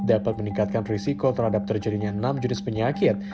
dapat meningkatkan risiko terhadap terjadinya enam jenis penyakit